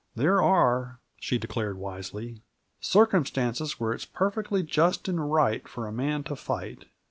There are," she declared wisely, "circumstances where it's perfectly just and right for a man to fight.